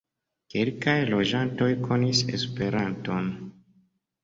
Kelkaj loĝantoj konis Esperanton.